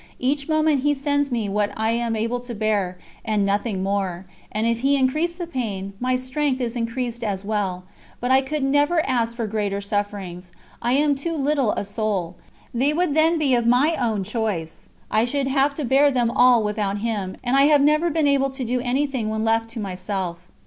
Each moment He sends me what I am able to bear, and nothing more, and if He increase the pain, my strength is increased as well. But I could never ask for greater sufferings I am too little a soul. They would then be of my own choice. I should have to bear them all without Him, and I have never been able to do anything when left to myself."